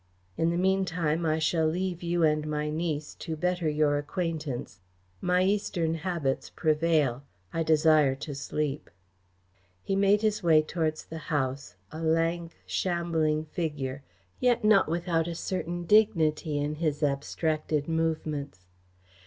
In the meantime, I shall leave you and my niece to better your acquaintance. My Eastern habits prevail. I desire to sleep." He made his way towards the house; a lank, shambling figure, yet not without a certain dignity in his abstracted movements.